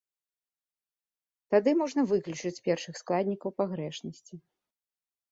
Тады можна выключыць першыя складнікаў пагрэшнасці.